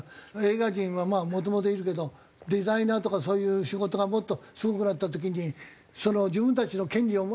映画人はもともといるけどデザイナーとかそういう仕事がもっとすごくなった時に自分たちの権利を。